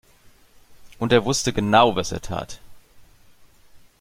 Und er wusste genau, was er tat.